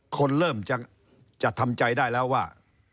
คนเริ่มจะทำใจได้แล้วว่า